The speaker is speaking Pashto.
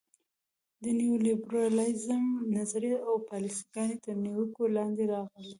د نیولیبرالیزم نظریه او پالیسي ګانې تر نیوکو لاندې راغلي.